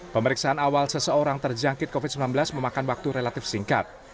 pemeriksaan awal seseorang terjangkit covid sembilan belas memakan waktu relatif singkat